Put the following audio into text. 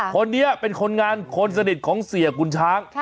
คนนี้เป็นคนงานคนสนิทของเสียคุณช้าง